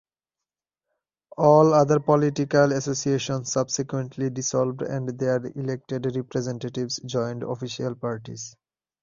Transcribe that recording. All other political associations subsequently dissolved and their elected representatives joined official parties.